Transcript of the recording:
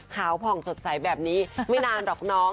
ผ่องสดใสแบบนี้ไม่นานหรอกน้อง